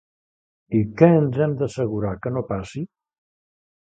I què ens hem d'assegurar que no passi?